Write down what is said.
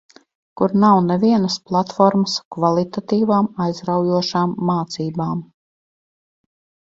Kur nav nevienas platformas kvalitatīvām, aizraujošām mācībām.